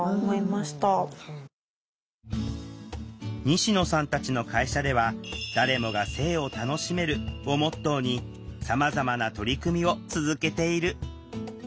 西野さんたちの会社では「誰もが性を楽しめる」をモットーにさまざまな取り組みを続けている。